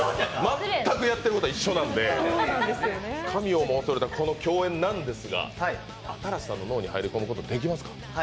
全くやってることは一緒なので、神をも恐れたこの共演なんですが新子さんの脳に入ることはできますか？